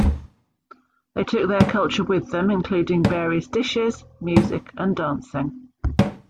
They took their culture with them, including various dishes, music and dancing.